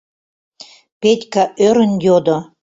— Петька ӧрын йодо.